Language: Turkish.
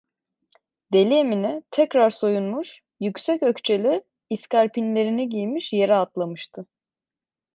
Deli Emine tekrar soyunmuş, yüksek ökçeli iskarpinlerini giymiş, yere atlamıştı.